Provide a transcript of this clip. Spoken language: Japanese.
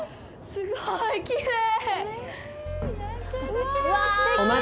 すごいきれい。